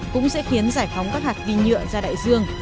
cũng sẽ khiến giải phóng các hạt vi nhựa ra đại dương